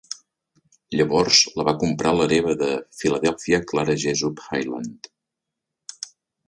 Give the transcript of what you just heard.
Llavors la va comprar l'hereva de Philadelphia Clara Jessup Heyland.